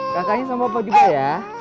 kakaknya sama bapak juga ya